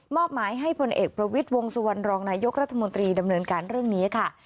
อบหมายให้พลเอกประวิทย์วงสุวรรณรองนายกรัฐมนตรีดำเนินการเรื่องนี้ค่ะ